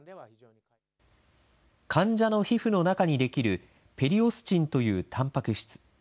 患者の皮膚の中に出来るペリオスチンというたんぱく質。